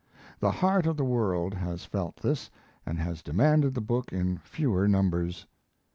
The heart of the world has felt this, and has demanded the book in fewer numbers.